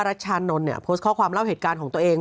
รัชชานนท์เนี่ยโพสต์ข้อความเล่าเหตุการณ์ของตัวเอง